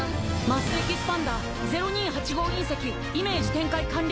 泪・エキスパンダー０２８号隕石イメージ展開完了。